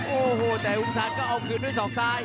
โอ้โหแต่วงศาลก็เอาคืนด้วยศอกซ้าย